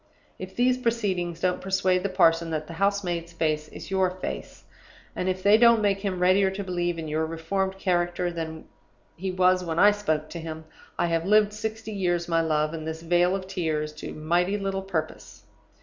If these proceedings don't persuade the parson that the house maid's face is your face, and if they don't make him readier to believe in your reformed character than he was when I spoke to him, I have lived sixty years, my love, in this vale of tears to mighty little purpose.